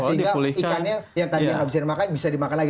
sehingga ikannya yang tadinya nggak bisa dimakan bisa dimakan lagi